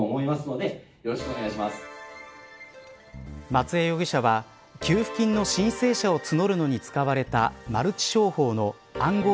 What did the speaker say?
松江容疑者は給付金の申請者を募るのに使われたマルチ商法の暗号